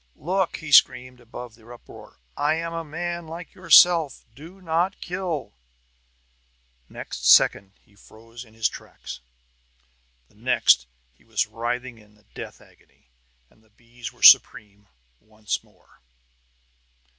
"Look!" he screamed, above the uproar. "I am a man, like yourselves! Do not kill!" Next second he froze in his tracks. The next he was writhing in the death agony, and the bees were supreme once more.